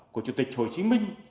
của chủ tịch hồ chí minh